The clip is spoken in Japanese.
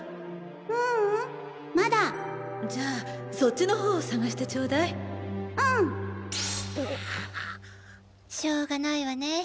ううんまだじゃあそっちの方を探してちょうだいしょうがないわねぇ。